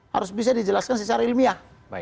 harus bisa dijelaskan secara ilmiah